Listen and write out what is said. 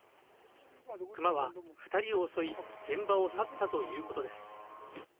クマは２人を襲い、現場を去ったということです。